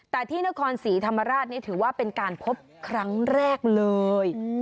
แต่ที่นครศรีธรรมราชนี่ถือว่าเป็นการพบครั้งแรกเลย